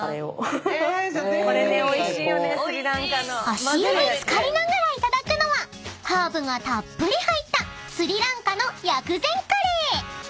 ［足湯に漬かりながらいただくのはハーブがたっぷり入ったスリランカの薬膳カレー］